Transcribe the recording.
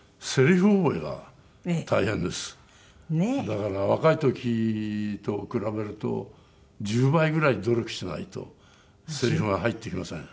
だから若い時と比べると１０倍ぐらい努力しないとせりふが入ってきません。